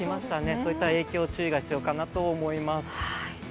そういった影響、注意が必要かなと思います。